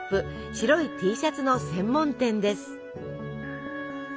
白いＴシャツの専門店です！